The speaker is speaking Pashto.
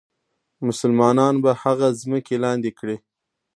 مسلمانان به هغه ځمکې لاندې کړي.